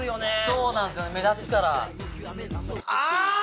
そうなんすよね目立つから。